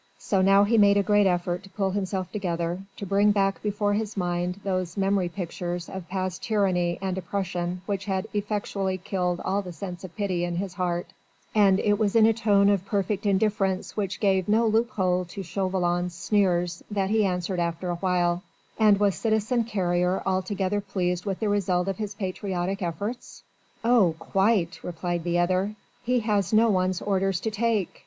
So now he made a great effort to pull himself together, to bring back before his mind those memory pictures of past tyranny and oppression which had effectually killed all sense of pity in his heart, and it was in a tone of perfect indifference which gave no loophole to Chauvelin's sneers that he asked after awhile: "And was citizen Carrier altogether pleased with the result of his patriotic efforts?" "Oh, quite!" replied the other. "He has no one's orders to take.